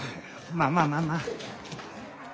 まあまあまあまあ。